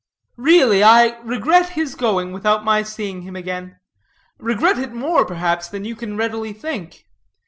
"Really, I regret his going without my seeing him again; regret it, more, perhaps, than you can readily think.